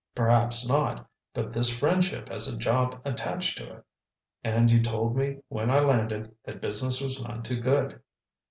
"Perhaps not. But this friendship has a job attached to it, and you told me when I landed, that business was none too good."